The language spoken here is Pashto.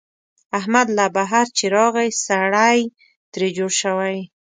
احمد له بهر چې راغی، سړی ترې جوړ شوی.